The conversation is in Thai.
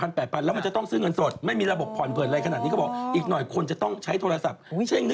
มันจะทำล้อเป็นแบบว่า๓๖๐องศาสักคราบแสดง